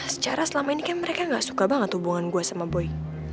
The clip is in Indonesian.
secara selama ini kan mereka gak suka banget hubungan gue sama boy